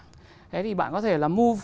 thế thì bạn có thể là move